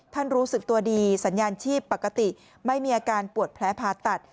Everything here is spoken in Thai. รู้สึกตัวดีสัญญาณชีพปกติไม่มีอาการปวดแผลผ่าตัด